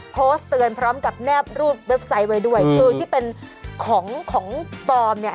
โพสต์เตือนพร้อมกับแนบรูปเว็บไซต์ไว้ด้วยคือที่เป็นของของปลอมเนี่ย